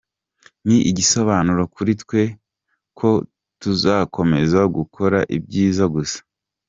Ni igisobanura kuri twe ko tuzakomeza gukora ibyiza gusa.